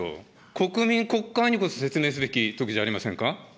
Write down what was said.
国民、国会にこそ説明すべきときじゃありませんか。